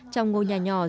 trong ngôi nhà nhỏ